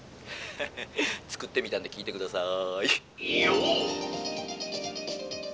「作ってみたんで聴いて下さい」。